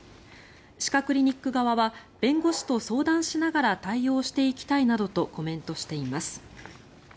歯科クリニック側は弁護士と相談しながら対応していきたいなどとコメントしています。